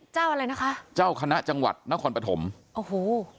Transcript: อะไรนะคะเจ้าคณะจังหวัดนครปฐมโอ้โห